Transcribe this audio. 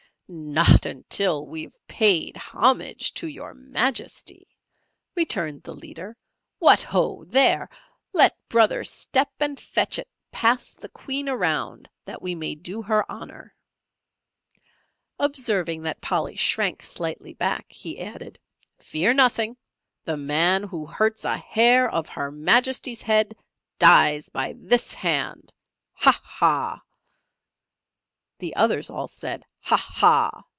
"Not until we have paid homage to your Majesty," returned the leader. "What ho! there! Let Brother Step and Fetch It pass the Queen around that we may do her honour." Observing that Polly shrank slightly back, he added: "Fear nothing, the man who hurts a hair of Her Majesty's head, dies by this hand. Ah! ha!" The others all said, ha! ha!